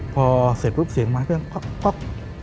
พอเสร็จปุ๊บเสียงมาก็ก๊อกก๊อก